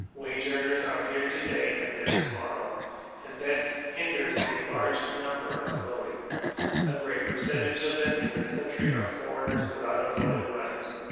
Wage earners are here to day and there to morrow, and that hinders a large number from voting; a great per centage of them in this country are foreigners without a voting right.